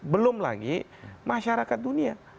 belum lagi masyarakat dunia